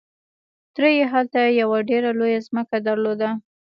تره يې هلته يوه ډېره لويه ځمکه درلوده.